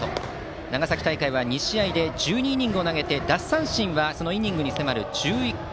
長崎大会は２試合で１２イニングを投げて奪三振はイニング数に迫る１１個。